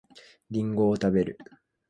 りんごを食べる